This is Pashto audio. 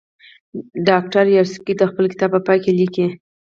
ډاکټر یاورسکي د خپل کتاب په پای کې لیکي.